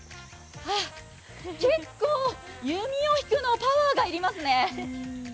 結構、弓を引くの、パワーが要りますね。